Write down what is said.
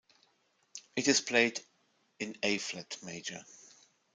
It is played in A-flat major.